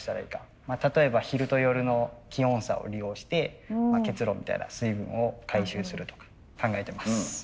例えば昼と夜の気温差を利用して結露みたいな水分を回収するとか考えてます。